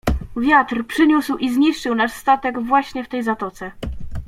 "Wiatr przyniósł i zniszczył nasz statek właśnie w tej zatoce."